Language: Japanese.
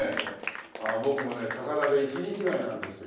僕もね「たかだ」で一字違いなんですよ。